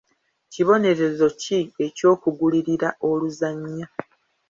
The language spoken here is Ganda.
Kibonerezo ki eky'okugulirira oluzannya.